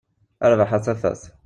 A rrbeḥ a tafat!